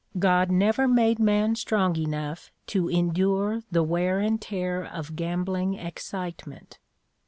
God never made man strong enough to endure the wear and tear of gambling excitement.